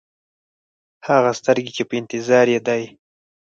هغه سترګې چې په انتظار یې دی.